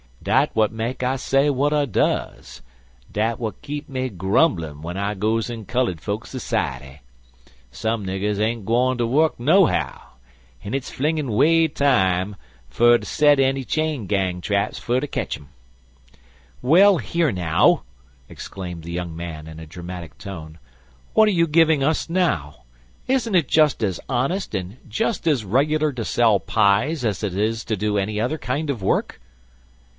"Dat w'at make I say w'at I duz dat w'at keep me grum'lin' w'en I goes in cullud fokes s'ciety. Some niggers ain't gwine ter wuk nohow, an' hit's flingin' way time fer ter set enny chain gang traps fer ter ketch um." "Well, now, here!" exclaimed the young man, in a dramatic tone, "what are you giving us now? Isn't it just as honest and just as regular to sell pies as it is to do any other kind of work?"